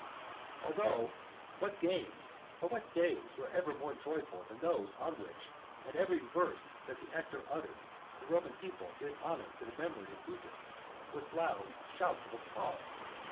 IV. Although, what games or what days were ever more joyful than those on which at every verse that the actor uttered, the Roman people did honour to the memory of Brutus, with loud shouts of applause?